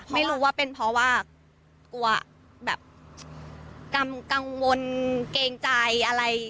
ไม่รู้ว่าเป็นเพราะว่ากลัวแบบกังวลเกรงใจอะไร